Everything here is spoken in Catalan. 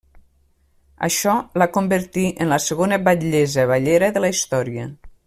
Això la convertí en la segona batllessa vallera de la història.